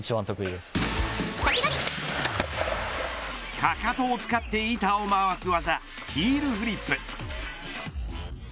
かかとを使って板を回す技ヒールフリップ。